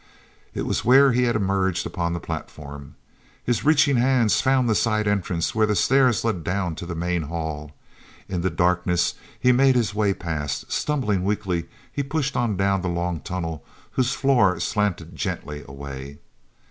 It was where he had emerged upon the platform. His reaching hands found the side entrance where the stairs led down to the main hall. In the darkness he made his way past. Stumbling weakly he pushed on down the long tunnel whose floor slanted gently away.